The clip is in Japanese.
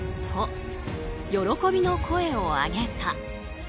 と、喜びの声を上げた。